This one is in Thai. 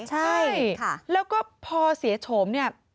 ใช่แล้วก็พอเสียโฉม